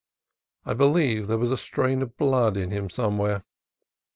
I believe there was a strain of "blood" in him some where.